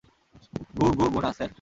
গু-- গু-- গুণা, স্যার।